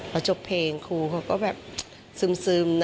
พอจบเพลงครูเขาก็แบบซึม